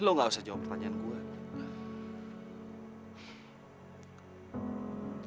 lo gak usah jawab pertanyaan gue